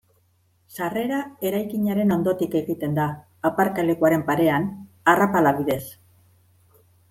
Sarrera eraikinaren ondotik egiten da, aparkalekuaren parean, arrapala bidez.